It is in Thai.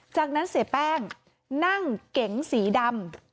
จากนั้นเสียแป้งนั่งเก๋งสีดำ